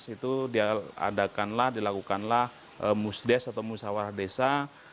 itu diadakanlah dilakukanlah musdes atau musawar desa